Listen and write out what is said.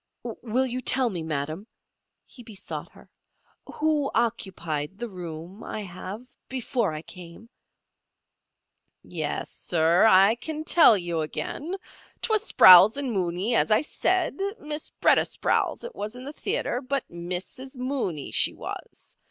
"Will you tell me, madam," he besought her, "who occupied the room I have before I came?" "Yes, sir. I can tell you again. 'Twas Sprowls and Mooney, as I said. Miss B'retta Sprowls it was in the theatres, but Missis Mooney she was.